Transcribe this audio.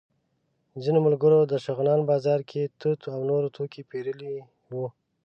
ځینو ملګرو د شغنان بازار کې توت او نور توکي پېرلي وو.